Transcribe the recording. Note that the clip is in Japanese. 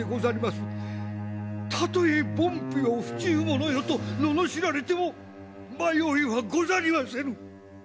たとえ凡夫よ不忠者よと罵られても迷いはござりませぬ！